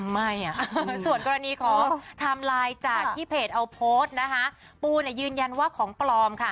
ไม่อ่ะส่วนกรณีของจากที่เพจเอาโพสต์นะคะปูเนี่ยยืนยันว่าของปลอมค่ะ